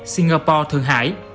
singapore thường hải